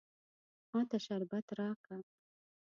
ما ته شربت راکه.